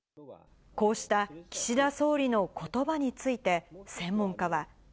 こうした岸田総理のコトバについて、専門家は。